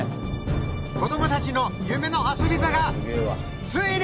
子どもたちの夢の遊び場がついに！